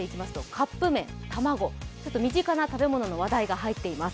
カップ麺、卵、身近な食べ物の話題が入っています。